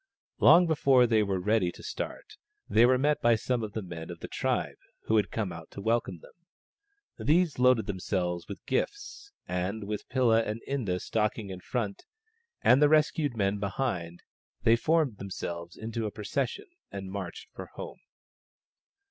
Long before they were ready to start they were met by some of the men of the tribe who had come out to welcome them. These loaded themselves with the gifts, and with Pilla and Inda stalking in front, and the rescued men behind, they formed themselves into a procession and marched for home.